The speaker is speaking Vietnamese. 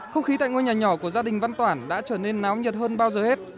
không khí tại ngôi nhà nhỏ của gia đình văn toản đã trở nên náo nhiệt hơn bao giờ hết